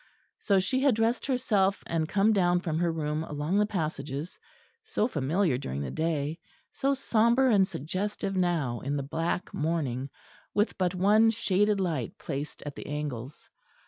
So she had dressed herself and come down from her room along the passages, so familiar during the day, so sombre and suggestive now in the black morning with but one shaded light placed at the angles.